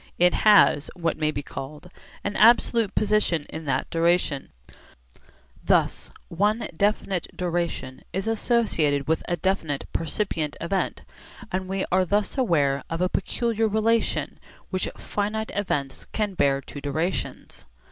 It has, what may be called, an absolute position in that duration. Thus one definite duration is associated with a definite percipient event, and we are thus aware of a peculiar relation which finite events can bear to durations.